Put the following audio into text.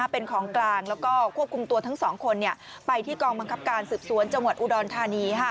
เป็นของกลางแล้วก็ควบคุมตัวทั้งสองคนไปที่กองบังคับการสืบสวนจังหวัดอุดรธานี